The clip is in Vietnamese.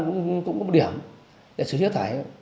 cũng có một điểm để xử lý rác thải